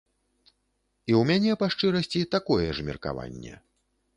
І ў мяне, па шчырасці, такое ж меркаванне.